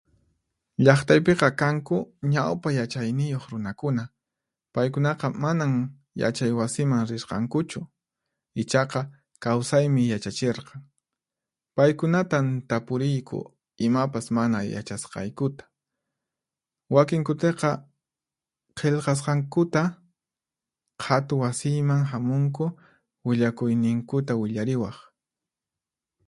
Llaqtaypiqa kanku ñawpa yachayniyuq runakuna, paykunaqa manan yachay wasiman rirqankuchu, ichaqa kawsaymi yachachirqan. Paykunatan tapuriyku imapas mana yachasqaykuta. Wakin kutiqa Qillqasqankuta Qhatu Wasiyman hamunku willakuyninkuta willariwaq.